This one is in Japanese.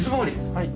はい。